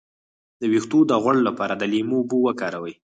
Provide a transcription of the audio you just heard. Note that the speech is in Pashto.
د ویښتو د غوړ لپاره د لیمو اوبه وکاروئ